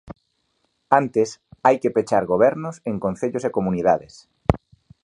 Antes, hai que pechar gobernos en concellos e comunidades.